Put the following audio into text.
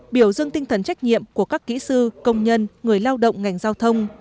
biểu dưng tinh thần trách nhiệm của các kỹ sư công nhân người lao động ngành giao thông